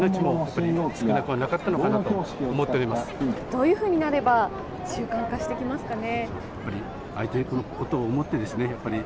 どういうふうになれば習慣化してきますかね。